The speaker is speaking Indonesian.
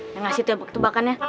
yang ngasih tebak tebakannya